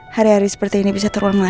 hari hari seperti ini bisa terulang lagi